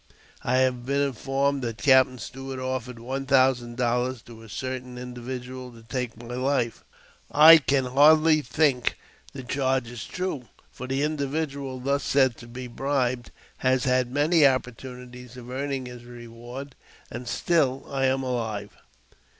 I have been informed that Captain Stuart offered one thousand dollars to a certain individual to take my life. I can hardly think the charge is true, for the individual thus said to be bribed has had many opportunities of earning his reward, andj still I am alive.